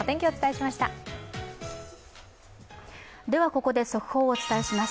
ここで速報をお伝えします。